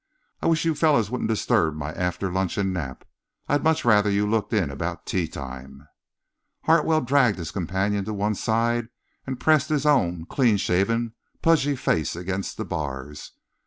I wish you fellows wouldn't disturb my after luncheon nap. I'd much rather you looked in about tea time." Hartwell dragged his companion to one side and pressed his own clean shaven, pudgy face against the bars.